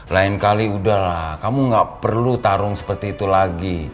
lain kali udahlah kamu gak perlu tarung seperti itu lagi